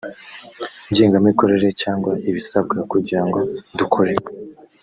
ngengamikorere cyangwa ibisabwa kugira ngo dukore